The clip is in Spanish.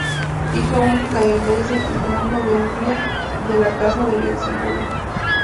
Hija única del rey Segismundo de Hungría de la Casa de Luxemburgo.